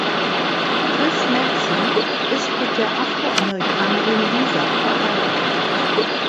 Chris Mattson ist mit der Afroamerikanerin Lisa verheiratet.